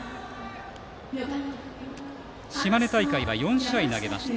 島根大会は４試合投げました。